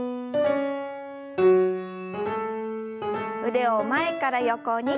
腕を前から横に。